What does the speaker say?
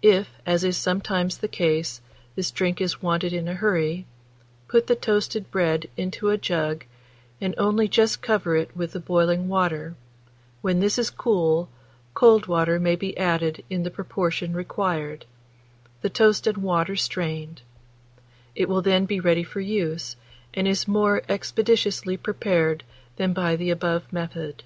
If, as is sometimes the case, this drink is wanted in a hurry, put the toasted bread into a jug, and only just cover it with the boiling water; when this is cool, cold water may be added in the proportion required, the toast and water strained; it will then be ready for use, and is more expeditiously prepared than by the above method.